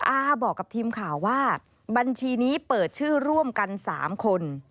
อาบอกกับทีมข่าวว่าบัญชีนี้เปิดชื่อร่วมกัน๓คน